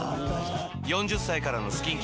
４０歳からのスキンケア